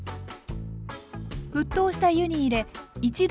沸騰した湯に入れ一度